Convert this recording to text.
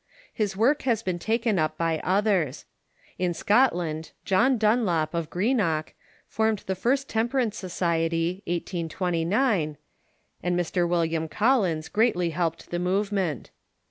His work has been taken up by others. In Scotland, John Dunlop, of Greenock, formed the first temperance society (1829), and Mr, William Collins greatly helped the movement.